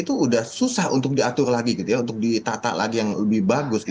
itu sudah susah untuk diatur lagi gitu ya untuk ditata lagi yang lebih bagus